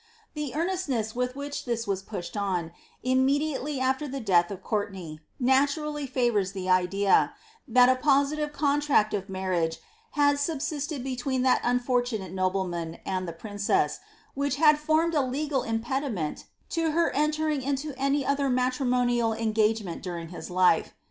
The earnestness with which this was pushed on, im mediately aiVer the death of Courtenay, naturally fovours the idea, that I positive contract of marriage had subsisted between that unfortunate nobleman and the princess, which had formed a legal impediment to her entering into any other matrimonial engagement during his life.